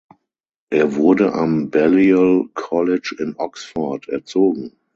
Er wurde am Balliol College in Oxford erzogen.